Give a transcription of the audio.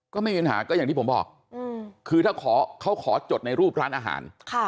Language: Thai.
ก็ไม่มีปัญหาก็อย่างที่ผมบอกคือถ้าเขาขอจดในรูปร้านอาหาร